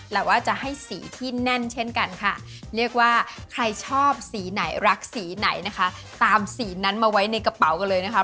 แต่ว่าจะให้สีที่แน่นเช่นกันค่ะเรียกว่าใครชอบสีไหนรักสีไหนนะคะตามสีนั้นมาไว้ในกระเป๋ากันเลยนะคะ